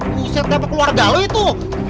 buset dapet keluarga lu itu